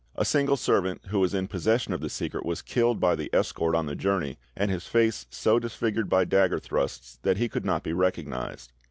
A single servant who was in possession of the secret was killed by the escort on the journey, and his face so disfigured by dagger thrusts that he could not be recognised.